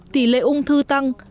tỷ lệ ung thư tăng